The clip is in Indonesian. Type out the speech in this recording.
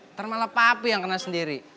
ntar malah papi yang kena sendiri